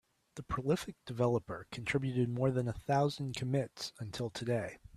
The prolific developer contributed more than a thousand commits until today.